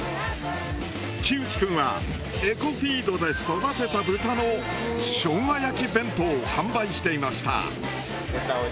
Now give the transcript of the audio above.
木内くんはエコフィードで育てた豚のしょうが焼き弁当を販売していました。